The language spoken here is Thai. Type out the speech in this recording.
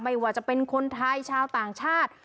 ไม่ว่าจะเป็นคนไทยชาวต่างชาติ